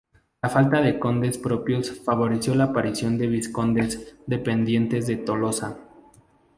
La falta de condes propios favoreció la aparición de vizcondes dependientes de Tolosa.